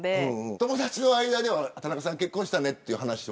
友達の間では田中さん結婚したねという話は。